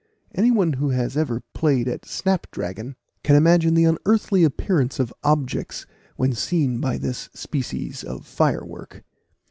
Any one who has ever played at snapdragon, can imagine the unearthly appearance of objects when seen by this species of firework.